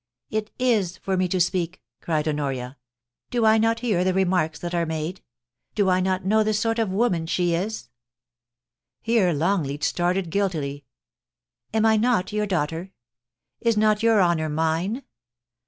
* It is for me to speak !' cried Honoria. * Do I not hear the remarks that are made ? Do I not know the sort of woman she is?* (Here Longleat started guiltily.) 'Am I not your daughter ? Is not your honour mine